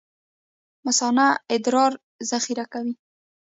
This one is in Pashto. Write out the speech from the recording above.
مثانه ادرار ذخیره کوي